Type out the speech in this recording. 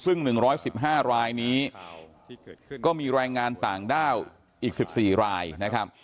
ซึ่ง๑๑๕รายนี้ก็มีแรงงานต่างด้าวอีก๑๔รายนะครับ